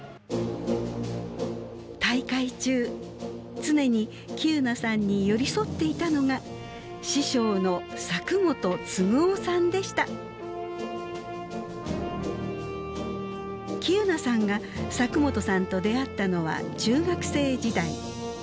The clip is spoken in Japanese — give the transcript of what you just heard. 大会中常に喜友名さんに寄り添っていたのが喜友名さんが佐久本さんと出会ったのは中学生時代。